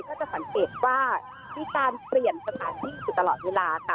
ถ้าจะสังเกตว่ามีการเปลี่ยนสถานที่อยู่ตลอดเวลาค่ะ